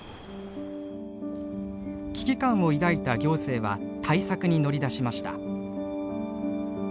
危機感を抱いた行政は対策に乗り出しました。